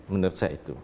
menurut saya itu